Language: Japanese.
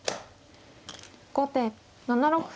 後手７六歩。